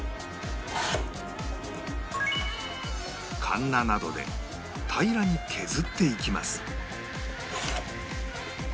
かんななどで平らに削っていきます